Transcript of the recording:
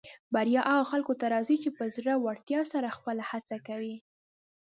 بریا هغه خلکو ته راځي چې په زړۀ ورتیا سره خپله هڅه کوي.